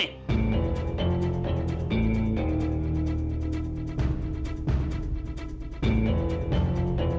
dan kembali ke rumah saya